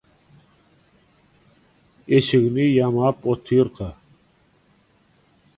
eşigini ýamap otyrka